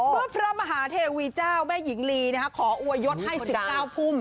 พระมหาเทวีเจ้าแม่หญิงลีขออวยยศให้๑๙พุ่ม